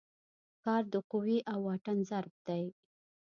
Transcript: کار د قوې او واټن ضرب دی.